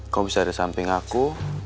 kau bisa di samping aku